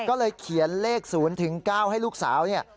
ก็เลยเขียนเลข๐๙ให้ลูกสาวเนี่ย